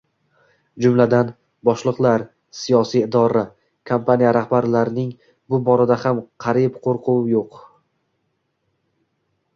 jumladan, boshliqlar, siyosiy idora, kompaniya rahbarlarining, bu borada ham qariyb qoʻrquv yoʻq.